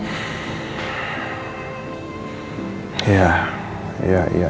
setelah mengetahui yang sebenarnya